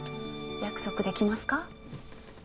約束できますか？